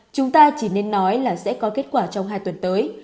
chúng ta chỉ nên nói là sẽ có kết quả trong hai tuần tới